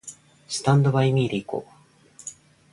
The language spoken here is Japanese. スタンドバイミーで行こう